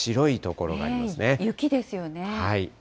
雪ですよね。